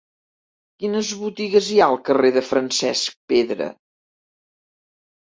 Quines botigues hi ha al carrer de Francesc Pedra?